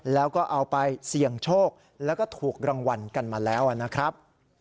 แล้วก็เอาไปเสี่ยงโชคแล้วก็ถูกรางวัลกันมาแล้วนะครับ